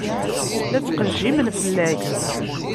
La ttqejjimen fell-ak.